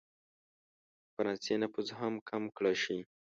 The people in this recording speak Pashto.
د فرانسې نفوذ هم کم کړه شي.